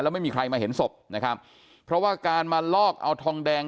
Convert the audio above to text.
ไม่มีใครมาเห็นศพนะครับเพราะว่าการมาลอกเอาทองแดง